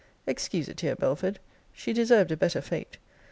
Excuse a tear, Belford! She deserved a better fate!